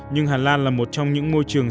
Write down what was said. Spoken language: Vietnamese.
nhưng hà lan là một trong những môi trường